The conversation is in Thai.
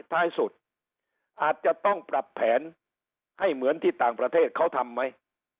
ท้ายสุดอาจจะต้องปรับแผนให้เหมือนที่ต่างประเทศเขาทำไหม